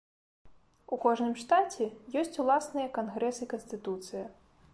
У кожным штаце ёсць уласныя кангрэс і канстытуцыя.